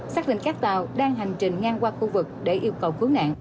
xác định các tàu đang hành trình ngang qua khu vực để yêu cầu cứu nạn